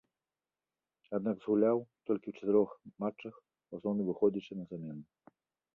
Аднак, згуляў толькі ў чатырох матчах, у асноўным выходзячы на замену.